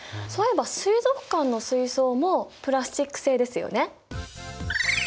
そういえば水族館の水槽もプラスチック製ですよね。